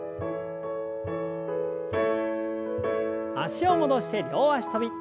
脚を戻して両脚跳び。